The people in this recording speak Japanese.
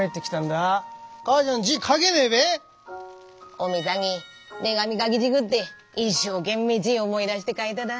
おめさんに手紙書きたぐって一生懸命字思い出して書いただ。